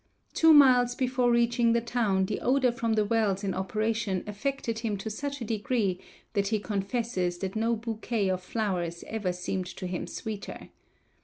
Two miles before reaching the town the odor from the wells in operation affected him to such a degree that he confesses that no bouquet of flowers ever seemed to him sweeter.